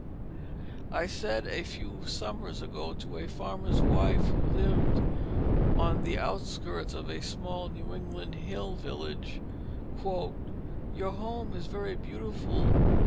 I said a few summers ago to a farmer's wife who lived on the outskirts of a small New England hill village: "Your home is very beautiful.